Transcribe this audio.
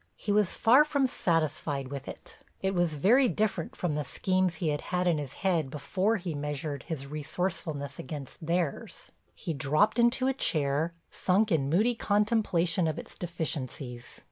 He was far from satisfied with it; it was very different from the schemes he had had in his head before he measured his resourcefulness against theirs. He dropped into a chair, sunk in moody contemplation of its deficiencies.